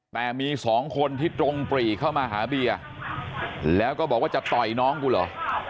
แต่มีสองคนที่ตรงปรีเข้ามาหาเบียร์แล้วก็บอกว่าจะต่อยน้องกูเหรอ